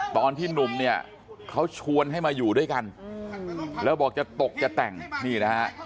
ตอนที่หนุ่มเนี่ยเขาชวนให้มาอยู่ด้วยกันแล้วบอกจะตกจะแต่งนี่นะฮะ